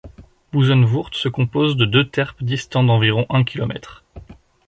Busenwurth se compose de deux terps distants d'environ un kilomètre.